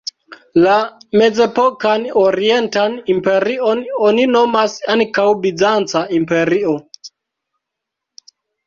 La Mezepokan Orientan Imperion oni nomas ankaŭ Bizanca imperio.